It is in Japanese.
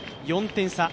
４点差。